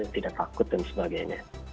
tidak takut dan sebagainya